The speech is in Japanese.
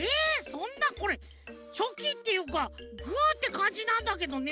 そんなこれチョキっていうかグーってかんじなんだけどね。